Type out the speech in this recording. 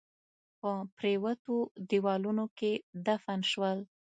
په پريوتو ديوالونو کښ دفن شول